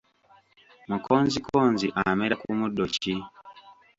Mukonzikonzi amera ku muddo ki?